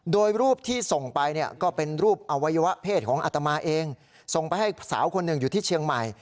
โดยรูปที่ส่งไปเนี่ยก็เป็นรูปอวัยวะเพศของอัตมาเองส่งไปให้สาวคนหนึ่งอยู่ที่เชียงใหม่